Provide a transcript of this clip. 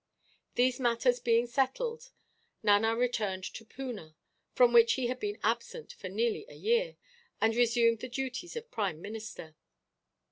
These matters being settled, Nana returned to Poona, from which he had been absent for nearly a year, and resumed the duties of prime minister.